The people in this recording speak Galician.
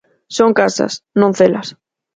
Son casas, non celas.